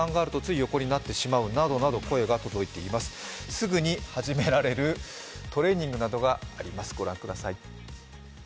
すぐに始められるトレーニングがあります、ご覧ください。